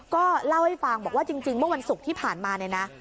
ก็เล่าให้ฟังบอกว่าจริงเมื่อวันศุกร์ที่ผ่านมาเนี่ยนะ